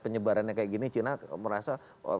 penyebarannya kayak gini china merasa